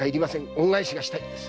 恩返しがしたいんです。